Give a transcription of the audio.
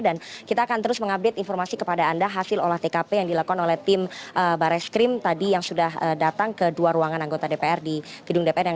dan kita akan terus mengupdate informasi kepada anda hasil olah tkp yang dilakukan oleh tim barreskrim tadi yang sudah datang ke dua ruangan anggota dpr di gedung dpr